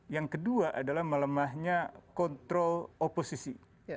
yang kedua adalah melemahnya kontrol oposisi